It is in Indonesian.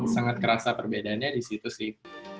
sangat kerasa perbedaannya di situ sih